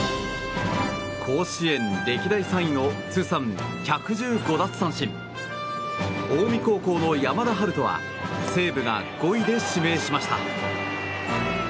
甲子園歴代３位の通算１１５奪三振近江高校の山田陽翔は西武が５位で指名しました。